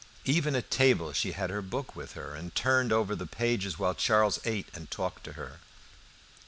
Even at table she had her book by her, and turned over the pages while Charles ate and talked to her.